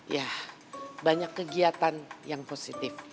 ya banyak kegiatan yang positif